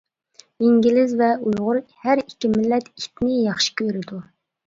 ئىنگلىز ۋە ئۇيغۇر ھەر ئىككى مىللەت ئىتنى ياخشى كۆرىدۇ.